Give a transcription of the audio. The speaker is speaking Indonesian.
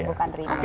bukan bukan remake